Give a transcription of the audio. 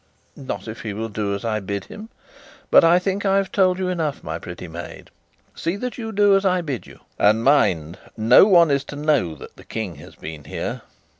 "Not if he will do as I bid him. But I think I've told you enough, my pretty maid. See that you do as I bid you. And, mind, no one is to know that the King has been here."